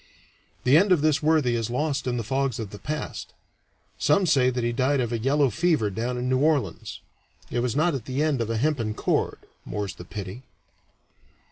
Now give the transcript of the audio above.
The end of this worthy is lost in the fogs of the past: some say that he died of a yellow fever down in New Orleans; it was not at the end of a hempen cord, more's the pity.